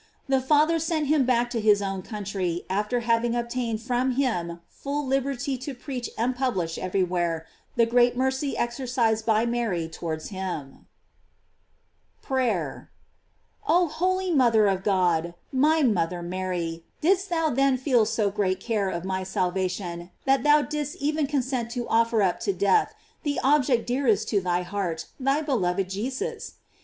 The Father sent him back to his own country after having obtained from him full liberty to preach and publish everywhere the great mercy exercised by Mary towards him. 474 GLORIES OF MARY PRATER. Oh holy mother of God my mothbi A*jry, didst thou then feel so great care of my salvation that thou didst even consent to offer up to death the object dearest to thy heart, thy beloved Je sus?